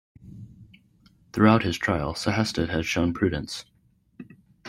Throughout his trial, Sehested had shown prudence.